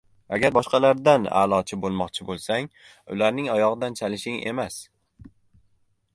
Agar boshqalardan aʼlochi boʻlmoqchi boʻlsang, ularning oyogʻidan chalishing emas.